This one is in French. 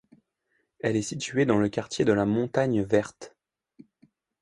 Elle est situé dans le quartier de la Montagne Verte.